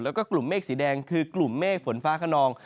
แล้วก็กลุ่มเมฆสีแดงคือกลุ่มเมฆฝนฟ้าขนอง